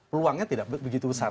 peluangnya tidak begitu besar